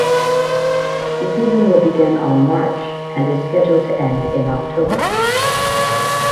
The season will begin on March and is scheduled to end in October.